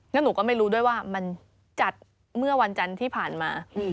แล้วหนูก็ไม่รู้ด้วยว่ามันจัดเมื่อวันจันทร์ที่ผ่านมา